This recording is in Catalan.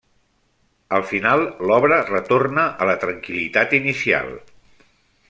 Al final, l'obra retorna a la tranquil·litat inicial.